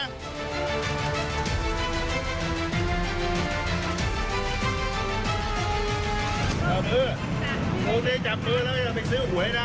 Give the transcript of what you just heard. เอามือโอเคจับมือแล้วไปซื้อหวยนะ